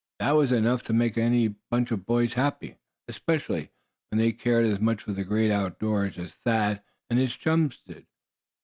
That was enough to make any bunch of boys happy, especially when they cared as much for the Great Outdoors as Thad and his chums did.